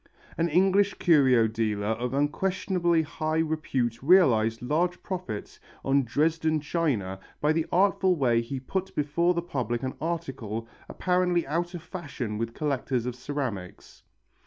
An English curio dealer of unquestionably high repute realized large profits on Dresden china by the artful way he put before the public an article apparently out of fashion with collectors of ceramics.